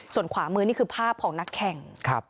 ส่วนขวามือนี่คือภาพของนักแข่ง